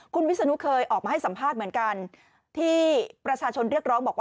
คุณวิศนุเคยออกมาให้สัมภาษณ์เหมือนกันที่ประชาชนเรียกร้องบอกว่า